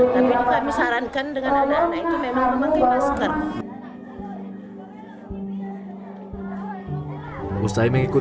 tapi ini kami sarankan dengan anak anak itu memang memang pakai masker